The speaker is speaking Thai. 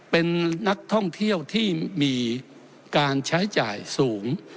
เป็นนักท่องเที่ยวที่มีการใช้จ่ายสูง